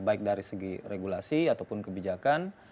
baik dari segi regulasi ataupun kebijakan